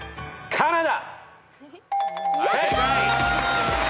カナダ！